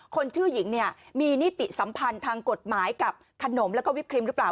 คนชื่อหญิงเนี่ยมีนิติสัมพันธ์ทางกฎหมายกับขนมแล้วก็วิปครีมหรือเปล่า